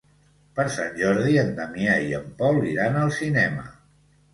Per Sant Jordi en Damià i en Pol iran al cinema.